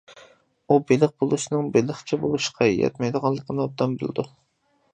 ئۇ بېلىق بولۇشنىڭ بېلىقچى بولۇشقا يەتمەيدىغانلىقىنى ئوبدان بىلىدۇ.